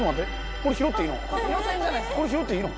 これ拾っていいの？